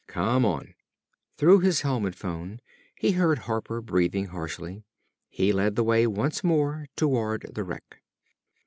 Come on!" Through his helmet phone he heard Harper breathing harshly. He led the way once more toward the wreck.